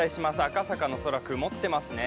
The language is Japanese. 赤坂の空、曇ってますね。